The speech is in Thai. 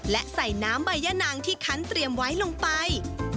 และใส่น้ำใบยะนางที่คันเตรียมไว้ลงไป